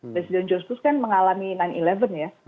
presiden george bush kan mengalami sembilan sebelas ya